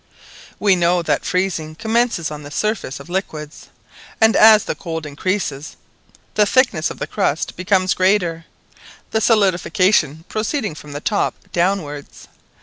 We know that freezing commences on the surface of liquids, and as the cold increases, the thickness of the crust becomes greater, the solidification proceeding from the top downwards.